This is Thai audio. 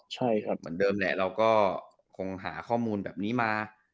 ใช่ครับเหมือนเดิมแหละเราก็คงหาข้อมูลแบบนี้มา